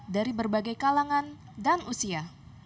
dari berbagai kalangan dan usia